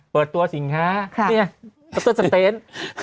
เปิดตัวสินค้าเนี่ยตัวสเตนท์